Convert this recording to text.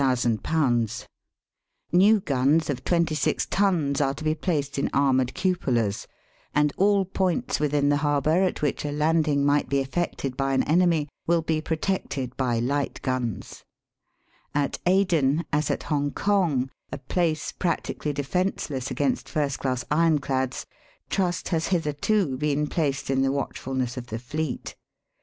New guns of twenty six tons are to be placed in armom'ed cupolas, and all points within the harbour at which a landing might be effected by an enemy will be pro tected by light guns. At Aden, as at Hong kong, a place practically defenceless against Digitized by VjOOQIC A BRITISH OUTPOST. 339 first class ironclads, tmst has hitherto been placed in the watchfulness of the fleet.